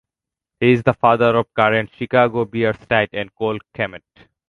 He is the father of current Chicago Bears tight end Cole Kmet.